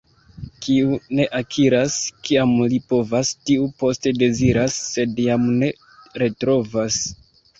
Kiu ne akiras, kiam li povas, tiu poste deziras, sed jam ne retrovas.